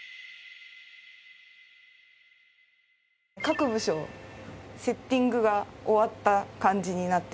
各部署セッティングが終わった感じになってるので。